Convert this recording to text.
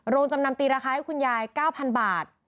จำนำตีราคาให้คุณยาย๙๐๐บาท